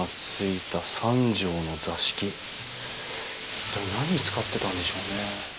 一体何に使ってたんでしょうね？